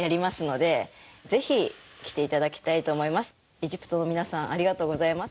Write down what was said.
エジプトの皆さんありがとうございます。